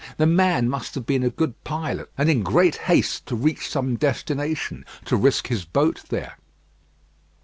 The man must have been a good pilot, and in great haste to reach some destination to risk his boat there.